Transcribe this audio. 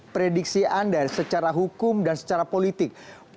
prediksi anda secara hukum dan secara politik